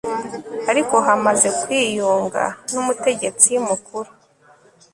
ariko hamaze kwiyunga n'umutegetsi mukuru